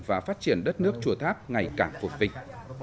và phát triển đất nước chùa tháp ngày càng phục vinh